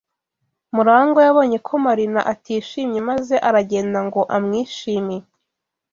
MuragwA yabonye ko Marina atishimye maze aragenda ngo amwishime.